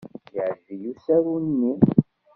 Yeɛjeb-iyi usaru-nni.